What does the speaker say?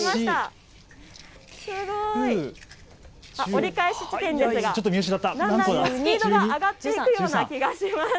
折り返し地点ですがだんだんとスピードが上がっていくような気がします。